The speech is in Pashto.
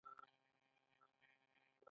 مریتوب منع شو.